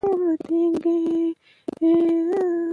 ښوونکی باید ماشوم ته توضیح ورکړي.